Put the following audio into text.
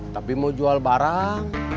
tapi mau jual barang